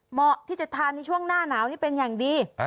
เหมาะที่จะทานในช่วงหน้าหนาวนี้เป็นอย่างดี